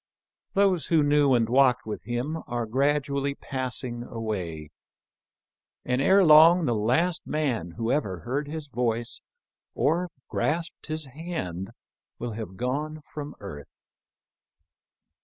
Those who knew and walked with him are gradually passing away, and ere long the last man who ever heard his voice or grasped his hand will have gone from earth.